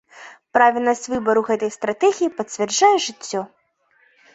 Правільнасць выбару гэтай стратэгіі пацвярджае жыццё.